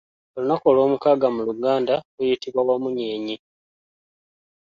Olunaku olw'omukaaga mu luganda luyitibwa Wamunyeenye.